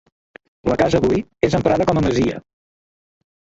La casa avui, és emprada com a masia.